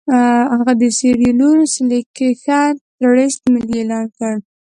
هغه د سیریلیون سیلکشن ټرست ملي اعلان کړ.